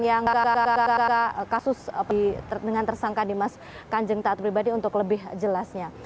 yang tidak terdengar tersangka di mas kanjeng tata pribadi untuk lebih jelasnya